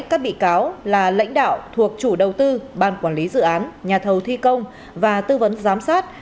các bị cáo là lãnh đạo thuộc chủ đầu tư ban quản lý dự án nhà thầu thi công và tư vấn giám sát